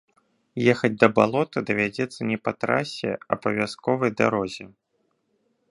Ехаць да балота давядзецца не па трасе, а па вясковай дарозе.